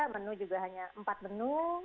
menu juga hanya empat menu